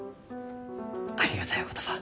ありがたいお言葉。